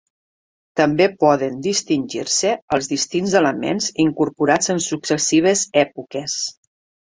També poden distingir-se els distints elements incorporats en successives èpoques.